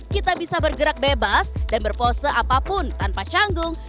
kita bisa bergerak bebas dan berpose apapun tanpa canggung